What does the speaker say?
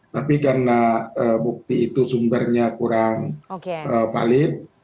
tapi karena bukti itu sumbernya kurang valid